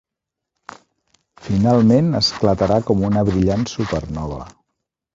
Finalment esclatarà com una brillant supernova.